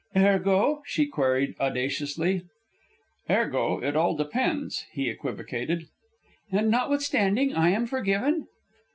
"Ergo?" she queried, audaciously. "Ergo, it all depends," he equivocated. "And, notwithstanding, I am forgiven?"